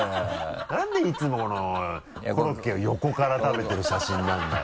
なんでいつもコロッケを横から食べてる写真なんだよ。